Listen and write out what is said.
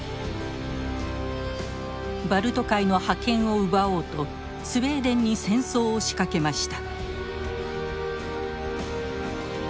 バルト海の覇権を奪おうとスウェーデンに戦争を仕掛けました。